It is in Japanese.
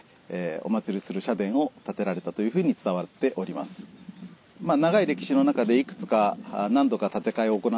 お祀りする社殿を建てられたと伝わっております。